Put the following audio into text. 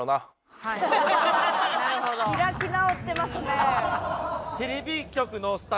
開き直ってますね。